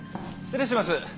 失礼します。